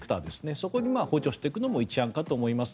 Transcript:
そこに補助していくのも一案かと思います。